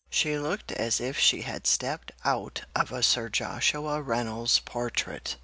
She looked as if she had stepped out of a Sir Joshua Reynolds portrait.